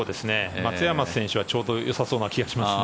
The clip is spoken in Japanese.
松山選手はちょうどよさそうな気がしますね。